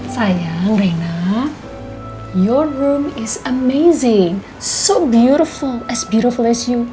sayang reyna ruangmu luar biasa sangat cantik sama cantiknya kamu